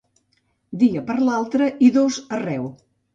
Dia per altre i dos arreu.